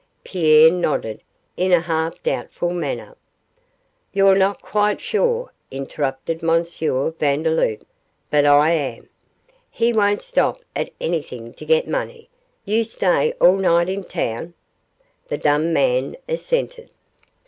Pierre nodded in a half doubtful manner. 'You're not quite sure,' interrupted M. Vandeloup, 'but I am. He won't stop at anything to get money. You stay all night in town?' The dumb man assented.